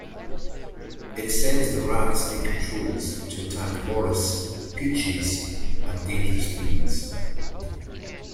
It sends the rats it controls to attack Maurice, Peaches, and Dangerous Beans.